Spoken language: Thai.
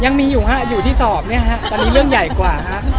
ยังมีอยู่ฮะอยู่ที่สอบเนี่ยฮะตอนนี้เรื่องใหญ่กว่าฮะ